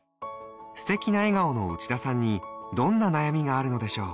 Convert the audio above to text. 素敵な笑顔の内田さんにどんな悩みがあるのでしょう？